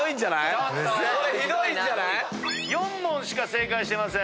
４問しか正解してません。